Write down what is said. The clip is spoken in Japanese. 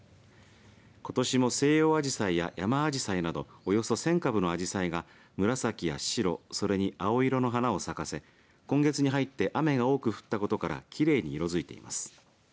ことしも、西洋アジサイやヤマアジサイなどおよそ１０００株のあじさいが紫や白それに青色の花を咲かせ今月に入って雨が多く降ったことからきれいに色づいています。